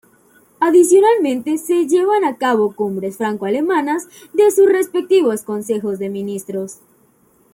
Adicionalmente se llevan a cabo cumbres franco-alemanas de sus respectivos consejos de Ministros.